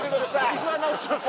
椅子は直しますよ。